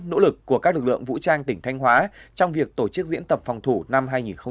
nỗ lực của các lực lượng vũ trang tỉnh thanh hóa trong việc tổ chức diễn tập phòng thủ năm hai nghìn hai mươi